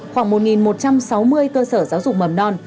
khoảng một một trăm sáu mươi cơ sở giáo dục mầm non